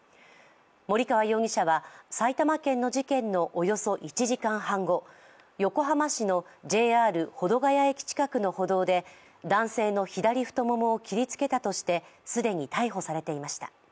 森川容疑者は埼玉県の事件のおよそ１時間半後、横浜市のＪＲ保土ケ谷駅近くの歩道で男性の左ももを切りつけたとして既に逮捕されていました。